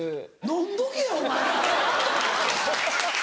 飲んどけよお前。